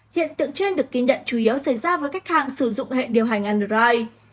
hiện tượng trên được ghi nhận chủ yếu xảy ra với khách hàng sử dụng hệ điều hành android